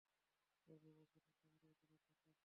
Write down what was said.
অভিভাবকহীন এতো বড় একটা দাতব্য ফান্ড।